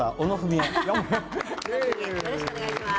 よろしくお願いします。